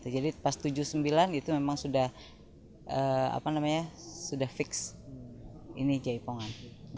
jadi pas seribu sembilan ratus tujuh puluh sembilan itu memang sudah fix ini jaipongan